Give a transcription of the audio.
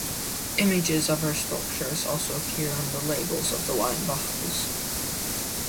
Images of her sculptures also appear on the labels of the wine bottles.